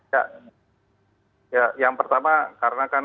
ya yang pertama karena kan